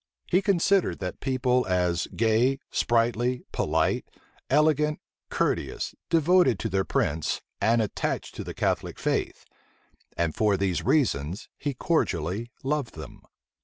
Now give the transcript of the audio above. He considered that people as gay, sprightly, polite, elegant, courteous, devoted to their prince, and attached to the Catholic faith; and for these reasons he cordially loved them.